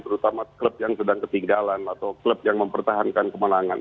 terutama klub yang sedang ketinggalan atau klub yang mempertahankan kemenangan